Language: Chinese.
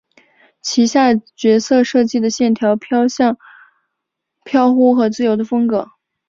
旗下角色设计的线条偏向飘忽和自由的风格。